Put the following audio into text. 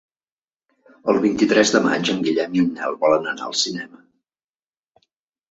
El vint-i-tres de maig en Guillem i en Nel volen anar al cinema.